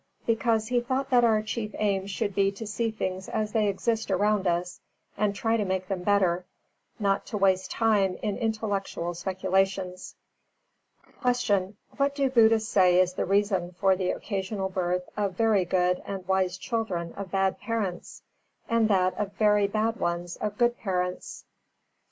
Because he thought that our chief aim should be to see things as they exist around us and try to make them better, not to waste time in intellectual speculations. 333. Q. _What do Buddhists say is the reason for the occasional birth of very good and wise children of bad parents, and that of very bad ones of good parents?